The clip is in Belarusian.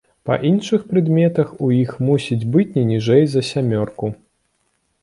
Па іншых прадметах у іх мусіць быць не ніжэй за сямёрку.